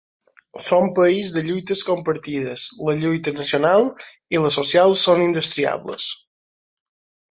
Som país de lluites compartides: la lluita nacional i la social són indestriables.